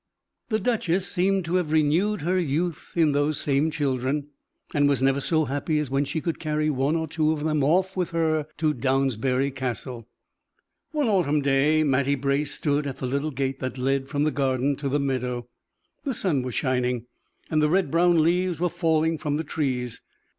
The duchess seemed to have renewed her youth in those same children, and was never so happy as when she could carry one or two of them off with her to Downsbury Castle. One autumn day Mattie Brace stood at the little gate that led from the garden to the meadow. The sun was shining, and the red brown leaves were falling from the trees.